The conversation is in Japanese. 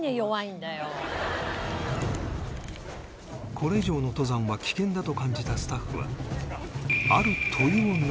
これ以上の登山は危険だと感じたスタッフは